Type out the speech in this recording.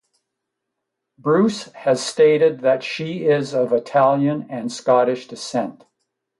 Bruce has stated that she is of Italian and Scottish descent.